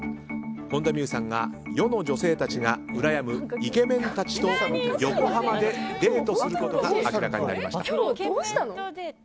本田望結さんが世の女性たちがうらやむイケメンたちと横浜でデートすることが明らかになりました。